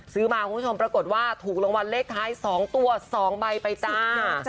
ซื้อมาคุณผู้ชมปรากฏว่าถูกรางวัลเลขท้าย๒ตัว๒ใบไปจ้า